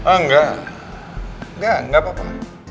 ah engga engga engga apa apa